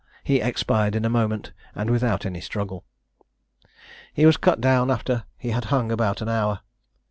He expired in a moment, and without any struggle. He was cut down after he had hung about an hour.